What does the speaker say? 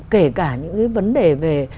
kể cả những cái vấn đề về